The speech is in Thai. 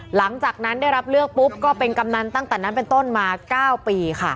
หลังจากนั้นได้รับเลือกปุ๊บก็เป็นกำนันตั้งแต่นั้นเป็นต้นมา๙ปีค่ะ